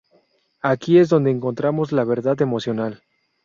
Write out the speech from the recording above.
Aquí es donde encontramos la verdad emocional".